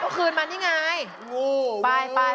คืนมันอย่างไร